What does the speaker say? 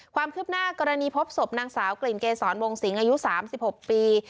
ความคืบหน้ากรณีพบศพนางสาวกลิ่นเกษรวงสิงอายุ๓๖ปี